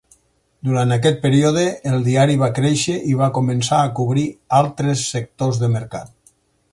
Durant aquest període, el diari va créixer i va començar a cobrir altres sectors de mercat.